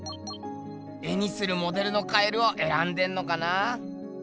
絵にするモデルの蛙をえらんでんのかな。